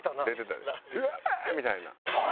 うわー！みたいな。